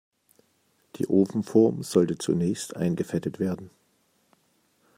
Die Ofenform sollte zunächst eingefettet werden.